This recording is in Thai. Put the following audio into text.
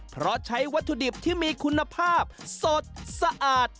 เพราะใช้วัตถุดิบที่มีคุณภาพสดสะอาด